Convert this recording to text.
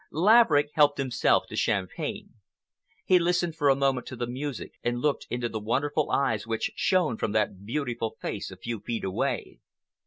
Laverick helped himself to champagne. He listened for a moment to the music, and looked into the wonderful eyes which shone from that beautiful face a few feet away.